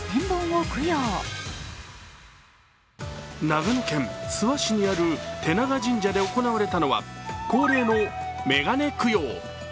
長野県諏訪市にある手長神社で行われたのは、恒例のめがね供養。